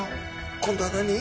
今度は何？